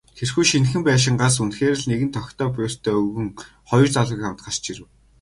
Тэрхүү шинэхэн байшингаас үнэхээр л нэгэн тохитой буурьтай өвгөн, хоёр залуугийн хамт гарч ирэв.